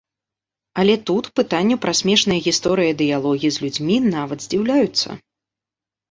Але тут пытанню пра смешныя гісторыі-дыялогі з людзьмі нават здзіўляюцца.